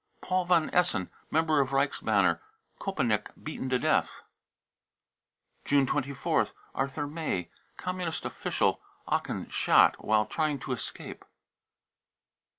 paul von essen, member of Reichsbanner, Kopenick, beaten to death. (See report.) ne 24th. Arthur may, Communist official, Aachen, shot " while trying to escape."